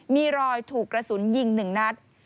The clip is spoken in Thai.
มีรอยถูกกระสุนยิง๑นัด